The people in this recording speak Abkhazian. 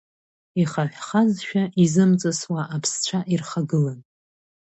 Ихаҳәхазшәа изымҵысуа аԥсцәа ирхагылан.